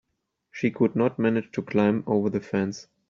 She could not manage to climb over the fence.